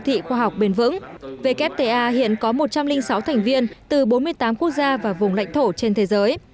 đô thị khoa học bền vững wta hiện có một trăm linh sáu thành viên từ bốn mươi tám quốc gia và vùng lãnh thổ trên thế giới